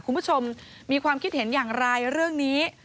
คุณผู้ชมมีความคิดเห็นอย่างไรเรื่องนี้